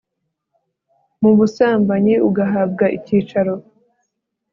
mu busambanyi ugahabwa icyicaro